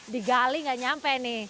di gali gak nyampe nih